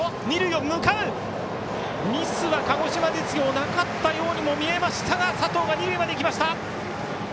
ミスは鹿児島実業なかったようにも見えましたが佐藤が二塁まで行きました。